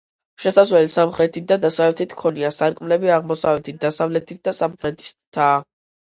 შესასვლელი სამხრეთით და დასავლეთით ჰქონია, სარკმლები აღმოსავლეთით, დასავლეთით და სამხრეთითაა.